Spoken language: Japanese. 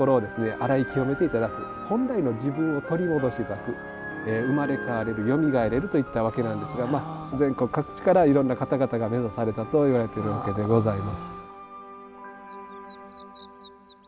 洗い清めていただく本来の自分を取り戻していただく生まれ変われるよみがえれるといったわけなんですが全国各地からいろんな方々が目指されたといわれてるわけでございます。